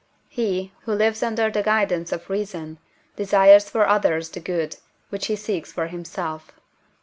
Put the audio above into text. He, who lives under the guidance of reason, desires for others the good which he seeks for himself (IV.